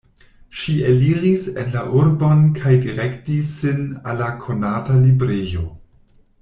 Ŝi eliris en la urbon kaj direktis sin al la konata librejo.